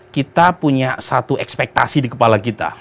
kita punya satu ekspektasi di kepala kita